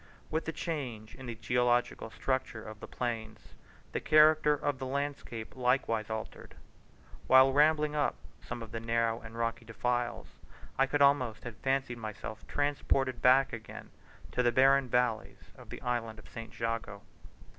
With the change in the geological structure of the plains the character of the landscape likewise altered. While rambling up some of the narrow and rocky defiles, I could almost have fancied myself transported back again to the barren valleys of the island of St. Jago.